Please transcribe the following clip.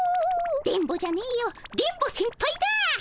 電ボじゃねえよ電ボセンパイだ。